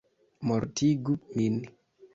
Mortigu min!